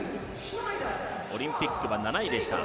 オリンピックは７位でした。